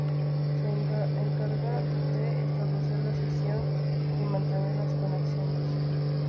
Se encarga de establecer la sesión y mantener las conexiones.